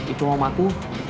itu om aku